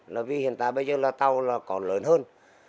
là vì hiện tại bây giờ là tàu là có lớn hơn